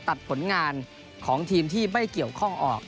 ตัดผลงานของทีมที่ไม่เกี่ยวข้องออก